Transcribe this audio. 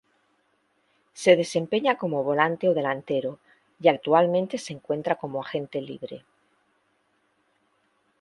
Se desempeña como volante o delantero y actualmente se encuentra como agente libre.